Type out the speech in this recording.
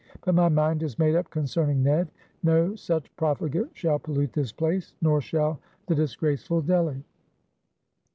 But my mind is made up concerning Ned; no such profligate shall pollute this place; nor shall the disgraceful Delly."